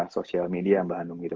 social media mba handung gitu